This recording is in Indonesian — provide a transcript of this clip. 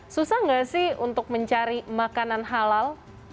susah nggak sih untuk mencari makanan halal